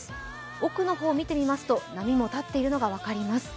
奥の方を見てみますと波も立っているのが分かります。